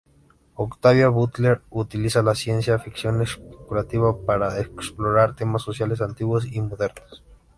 Octavia Butler utiliza la ciencia ficción especulativa para explorar temas sociales antiguos y modernos.